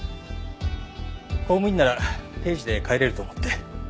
公務員なら定時で帰れると思って。